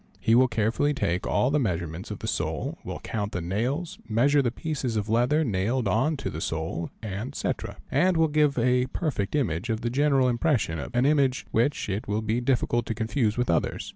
He will carefully take all the measurements of the sole, will count the nails, measure the pieces of leather nailed on to the sole, &c., and will give a perfect image of the general impression, an image which it will be difficult to confuse with others.